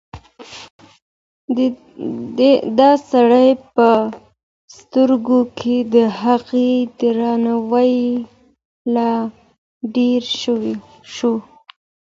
د سړي په سترګو کې د هغې درناوی لا ډېر شو.